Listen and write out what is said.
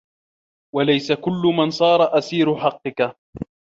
وَلَيْسَ كُلُّ مَنْ صَارَ أَسِيرَ حَقِّك